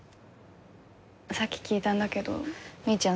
さっき聞いたんだけどみーちゃん